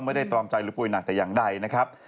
ตรอมใจหรือป่วยหนักแต่อย่างใดนะครับ